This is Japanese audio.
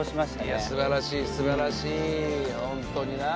いやすばらしいすばらしいホントにな。